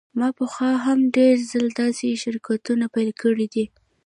ما پخوا هم ډیر ځله داسې شرکتونه پیل کړي دي